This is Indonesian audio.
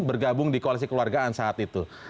bergabung di koalisi keluargaan saat itu